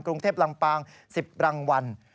กรุงเทพลำปาง๑๐รางวัล